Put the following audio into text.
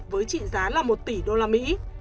với trị giá là một tỷ đô la mỹ